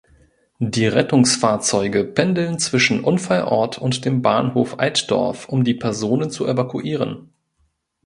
Die Rettungsfahrzeuge pendeln zwischen Unfallort und dem Bahnhof Altdorf um die Personen zu evakuieren.